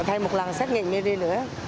thay một lần xét nghiệm đi nữa